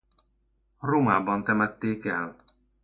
Rómában temették el.